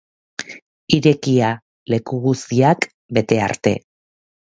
Irekia, leku guztiak bete arte.